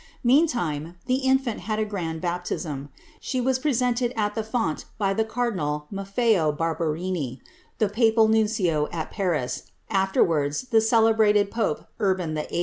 Mean time the infant had a grand baptism ; she was presented at the font by the Cardinal Mafieo Barbarini,^ the papal nuncio at Paris, afterwards the celebrated pope Urban VIII.